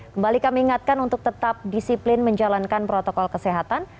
kembali kami ingatkan untuk tetap disiplin menjalankan protokol kesehatan